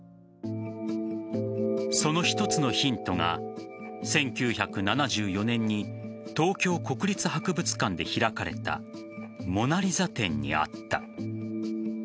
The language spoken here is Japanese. その一つのヒントが１９７４年に東京国立博物館で開かれたモナ・リザ展にあった。